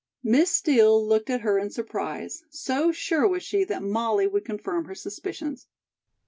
Miss Steel looked at her in surprise, so sure was she that Molly would confirm her suspicions.